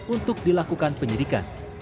untuk dilakukan penyelidikan